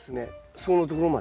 そこのところまで。